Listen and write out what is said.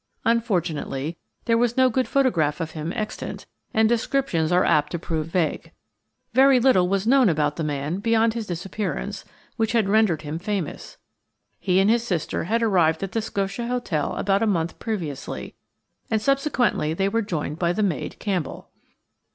Unfortunately, there was no good photograph of him extant, and descriptions are apt to prove vague. Very little was known about the man beyond his disappearance, which had rendered him famous. He and his sister had arrived at the Scotia Hotel about a month previously, and subsequently they were joined by the maid Campbell.